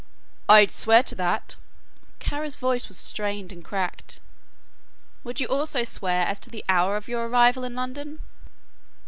"I'd swear to that," Kara's voice was strained and cracked. "Would you also swear as to the hour of your arrival in London?"